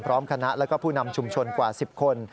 พร้อมคณะและผู้นำชุมชนกว่า๑๐คน